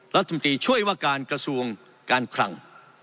รัฐพิวาคารกระทรวงการคร่ัง